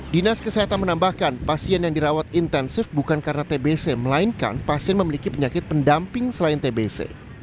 dinas kesehatan menambahkan pasien yang dirawat intensif bukan karena tbc melainkan pasien memiliki penyakit pendamping selain tbc